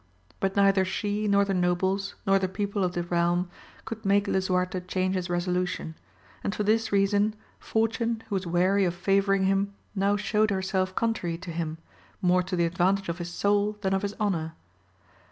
But neither she, nor the nobles, nor the people of the realm could make Lisuarte change his resolution ; and for this reason, fortune, who was weary of favouring him, now shewed herself contrary to him, more to the ^vantage of his soul than of his honour.